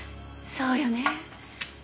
そうよね。